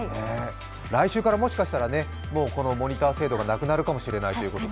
来週からもしかしたらこのモニター制度がなくなるかもしれないということで。